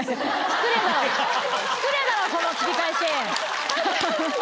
失礼だろ。